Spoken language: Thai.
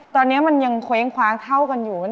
ตอนนี้มันยังเท่ากันอยู่